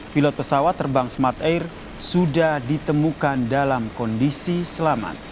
pilot pesawat terbang smart air sudah ditemukan dalam kondisi selamat